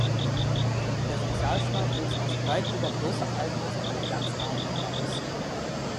Der Sozialstaat wuchs also weit über bloße Almosen an die ganz Armen hinaus.